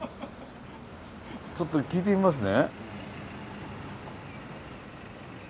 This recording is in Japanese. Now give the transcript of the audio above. ちょっと聞いてみますね。